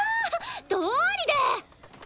どうりで！